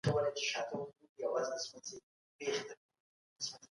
د کلیو او ښارونو استازیتوب څنګه کېږي؟